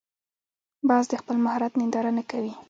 باز د خپل مهارت ننداره نه کوي